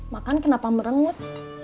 makan kenapa merengut